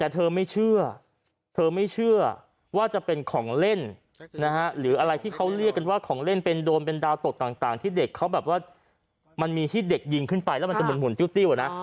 แต่เธอไม่เชื่อเธอไม่เชื่อว่าจะเป็นของเล่นนะฮะหรืออะไรที่เขาเรียกกันว่าของเล่นเป็นโดรนเป็นดาวตกต่างที่เด็กเขาแบบว่ามันมีที่เด็กยิงขึ้นไปแล้วมันจะหมุนติ้วนะ